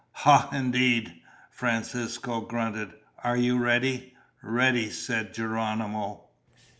"Ha indeed," Francisco grunted. "Are you ready?" "Ready," said Geronimo.